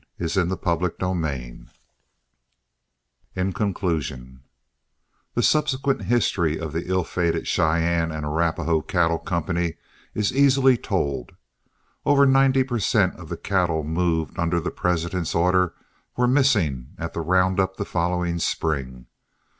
CHAPTER XXII IN CONCLUSION The subsequent history of the ill fated Cheyenne and Arapahoe Cattle Company is easily told. Over ninety per cent of the cattle moved under the President's order were missing at the round up the following spring.